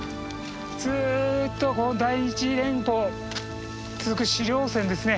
ずっとこの大日連峰続く主稜線ですね。